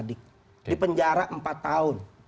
di penjara empat tahun